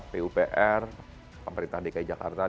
pupr pemerintah dki jakarta